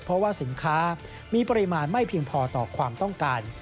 เพราะว่าสินค้ามีปริมาณไม่เพียงพอต่อความต้องการ